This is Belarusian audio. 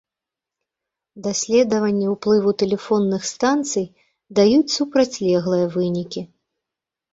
Даследаванні ўплыву тэлефонных станцый даюць супрацьлеглыя вынікі.